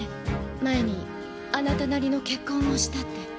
前にあなたなりの結婚をしたって。